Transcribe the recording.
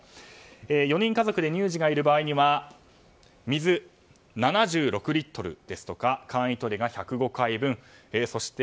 ４人家族で乳児がいる場合は水７６リットルですとか簡易トイレが１０５回分そして、